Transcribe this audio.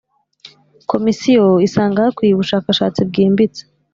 Komisiyo isanga hakwiye ubushakashatsi bwimbitse.